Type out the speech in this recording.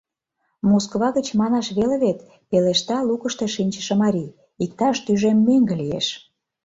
— Москва гыч, манаш веле вет, — пелешта лукышто шинчыше марий, — иктаж тӱжем меҥге лиеш...